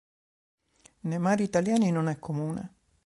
Nei mari italiani non è comune.